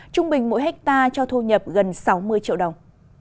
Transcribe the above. trung bình mỗi hectare cho thu nhập gần sáu mươi triệu đồng